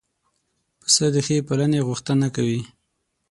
پسه د ښې پالنې غوښتنه کوي.